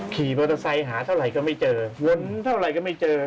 ผีปโบทาไซค์หาเท่าไรก็ไม่เจอวนเท่าไรก็ไม่เจอ